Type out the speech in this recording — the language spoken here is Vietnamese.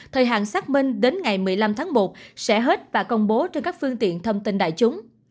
thời hạn xác minh đến ngày một mươi năm tháng một sẽ hết và công bố trên các phương tiện thông tin đại chúng